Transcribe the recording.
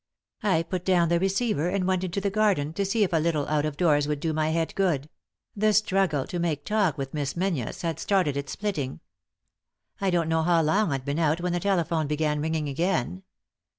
I put down the receiver and went into the garden to see if a little out of doors would do my head good ; the struggle to make talk with Miss Menzies bad started it splitting. I don't know how long I'd been out when the telephone began ringing again.